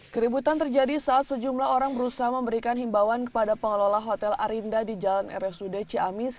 keributan terjadi saat sejumlah orang berusaha memberikan himbawan kepada pengelola hotel arinda di jalan rsud ciamis